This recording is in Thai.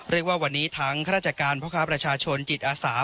เรียกว่าวันนี้ทั้งข้าราชการพ่อค้าประชาชนจิตอาสา